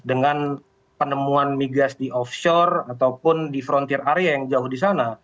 dengan penemuan migas di offshore ataupun di frontir area yang jauh di sana